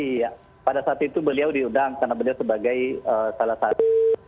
iya pada saat itu beliau diundang karena beliau sebagai salah satu